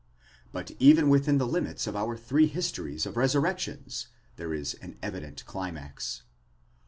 But even within the limits of our three histories of resurrections, there is an evident climax.